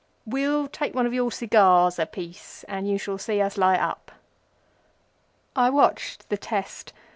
We'll take one of your cigars apiece, and you shall see us light." I watched the test.